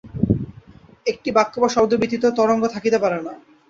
একটি বাক্য বা শব্দ ব্যতীত তরঙ্গ থাকিতে পারে না।